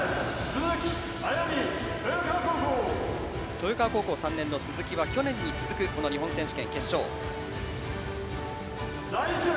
豊川高校３年の鈴木は去年に続く日本選手権決勝。